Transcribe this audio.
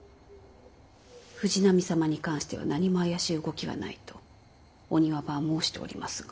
藤波様に関しては何も怪しい動きはないとお庭番は申しておりますが。